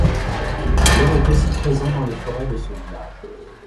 L'or est aussi présent dans les forêts de ce village.